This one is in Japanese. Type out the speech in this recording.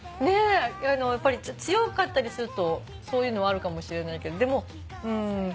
でやっぱり強かったりするとそういうのあるかもしれないけど。